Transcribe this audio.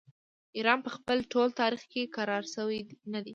ایران په خپل ټول تاریخ کې کرار شوی نه دی.